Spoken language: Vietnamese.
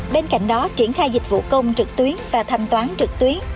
bên cạnh đó triển khai dịch vụ công trực tuyến và thanh toán trực tuyến